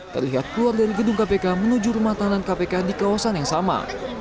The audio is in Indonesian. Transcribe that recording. terlihat keluar dari gedung kpk menuju rumah tahanan kpk di kawasan yang sama